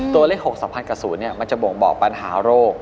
ตัวเลข๖สัมพันธ์กับ๐มันจะบ่งบอกปัญหาโรค